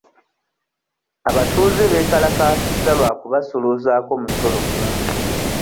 Abatuuze beekalakaasizza lwa kubasooloozaako musolo mungi.